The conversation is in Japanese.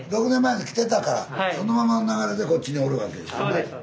６年前に来てたからそのままの流れでこっちにおるわけですね。